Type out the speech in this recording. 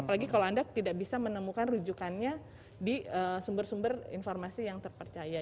apalagi kalau anda tidak bisa menemukan rujukannya di sumber sumber informasi yang terpercaya